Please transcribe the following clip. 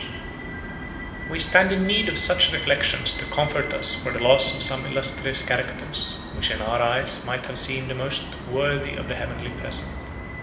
] We stand in need of such reflections to comfort us for the loss of some illustrious characters, which in our eyes might have seemed the most worthy of the heavenly present.